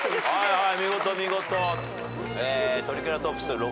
はい。